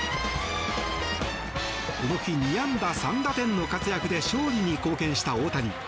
この日２安打３打点の活躍で勝利に貢献した大谷。